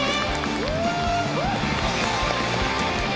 すごい。